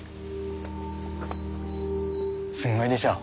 すんごいでしょ。